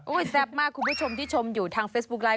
แซ่บมากคุณผู้ชมที่ชมอยู่ทางเฟซบุ๊คไลท